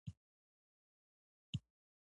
هغوی کولای شول چې د ځان لپاره کار وکړي.